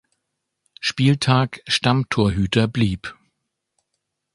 Spieltag Stammtorhüter blieb.